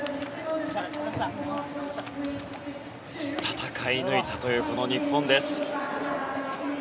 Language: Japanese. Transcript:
戦い抜いたという日本です。